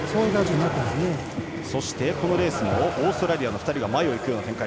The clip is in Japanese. このレースもオーストラリアの２人が前を行くような展開。